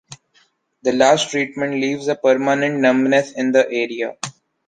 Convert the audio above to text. The last treatment leaves a permanent numbness in the area.